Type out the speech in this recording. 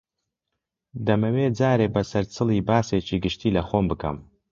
دەمەوێ جارێ بە سەرچڵی باسێکی گشتی لە خۆم بکەم